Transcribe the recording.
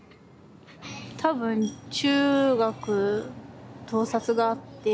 多分中学盗撮があって。